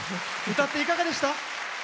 歌って、いかがでした？